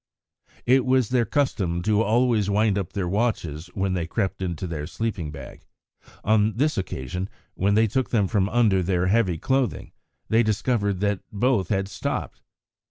It was their custom to always wind up their watches when they crept into their sleeping bag; on this occasion when they took them from under their heavy clothing they discovered that both had stopped.